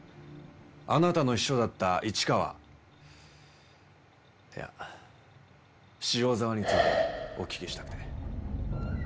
あなたの秘書だった市川いや塩沢についてお聞きしたくて。